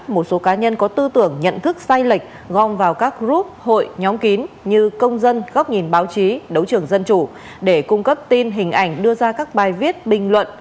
một số cá nhân có tư tưởng nhận thức sai lệch gom vào các group hội nhóm kín như công dân góc nhìn báo chí đấu trưởng dân chủ để cung cấp tin hình ảnh đưa ra các bài viết bình luận